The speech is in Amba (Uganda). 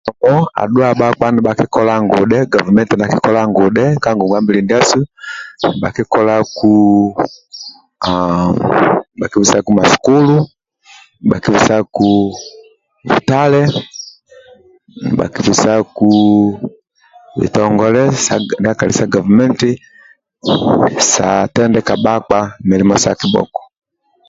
Oo adhuwa bhakpa nibha kikola ngudhe govumenti nakikola ngudhe ka ngogwabili ndiasu nibha kikolaku aaa nibha kibisaku masukulu nibhakibisaku butale nibhakibisaku bhitogole ndia kali sa gavumenti sa tendeka bhakpa milimo sa kibhoko